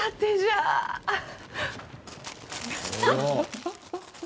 あっ！